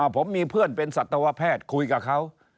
ผมมีเพื่อนเป็นสัตวแพทย์คุยกับเขา